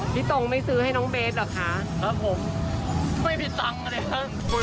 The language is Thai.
พี่ตรงไม่ซื้อให้น้องเบสเหรอคะครับผมไม่มีตังค์เลยฮะ